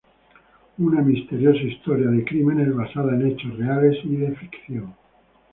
Una misteriosa historia de crímenes basada en hechos reales y de ficción.